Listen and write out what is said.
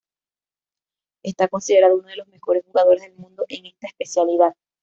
Está considerado uno de los mejores jugadores del mundo en esta especialidad.